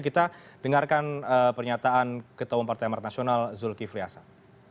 kita dengarkan pernyataan ketua partai amat nasional zulkifli asan